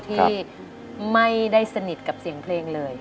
ที่ไม่ได้สนิทกับเสียงเพลงเลย